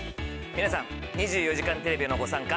皆さん『２４時間テレビ』へのご参加。